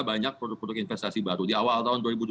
banyak produk produk investasi baru di awal tahun